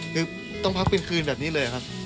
คือต้องพักเป็นคืนแบบนี้เลยครับ